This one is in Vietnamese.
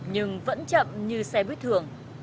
nhưng vẫn chậm như xe buýt thường